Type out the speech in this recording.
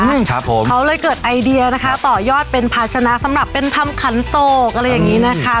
ใช่ครับผมเขาเลยเกิดไอเดียนะคะต่อยอดเป็นภาชนะสำหรับเป็นทำขันโตกอะไรอย่างนี้นะคะ